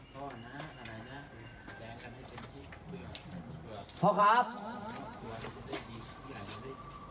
พ่อครับ